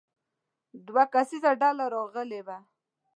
دوه کسیزه ډله راغلې وه.